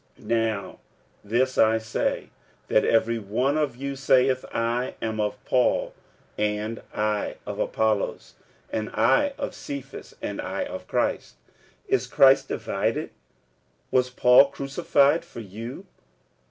46:001:012 Now this I say, that every one of you saith, I am of Paul; and I of Apollos; and I of Cephas; and I of Christ. 46:001:013 Is Christ divided? was Paul crucified for you?